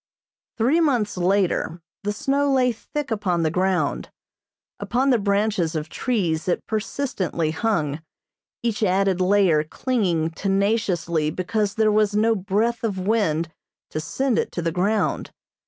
Three months later the snow lay thick upon the ground. Upon the branches of trees it persistently hung, each added layer clinging tenaciously because there was no breath of wind to send it to the ground.